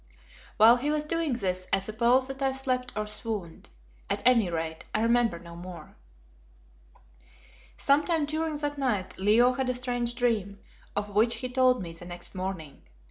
While he was doing this I suppose that I slept or swooned. At any rate, I remember no more. Sometime during that night Leo had a strange dream, of which he told me the next morning.